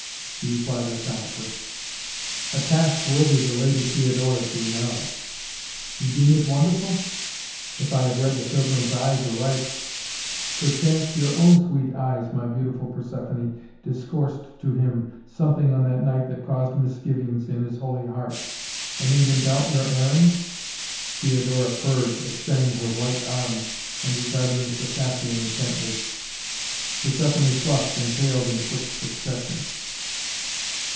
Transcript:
she replied laconically. "A task worthy the Lady Theodora's renown." "You deem it wonderful?" "If I have read the pilgrim's eyes aright " "Perchance your own sweet eyes, my beautiful Persephoné, discoursed to him something on that night that caused misgivings in his holy heart, and made him doubt your errand?" Theodora purred, extending her white arms and regarding the Circassian intently. Persephoné flushed and paled in quick succession.